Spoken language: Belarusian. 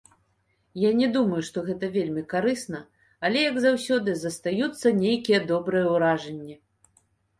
Я не думаю, што гэта вельмі карысна, але, як заўсёды, застаюцца нейкія добрыя ўражанні.